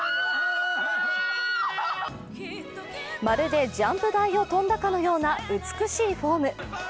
まるでジャンプ台を飛んだかのような美しいフォーム。